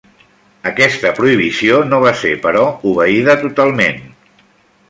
Aquesta prohibició no va ser, però, obeïda totalment.